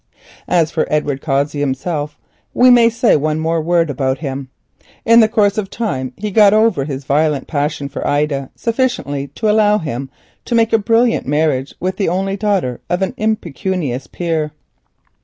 As for Edward Cossey himself, we may say one more word about him. In the course of time he sufficiently recovered from his violent passion for Ida to allow him to make a brilliant marriage with the only daughter of an impecunious peer.